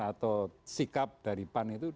atau sikap dari pan itu